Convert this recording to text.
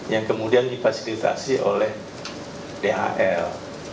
yang kemudian difasilitasi oleh dal